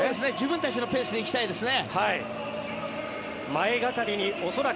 自分たちのペースで行きたいですね。